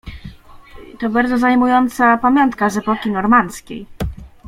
"To bardzo zajmująca pamiątka z epoki Normandzkiej."